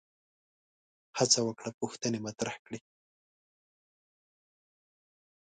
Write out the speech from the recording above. هڅه وکړه پوښتنې مطرح کړي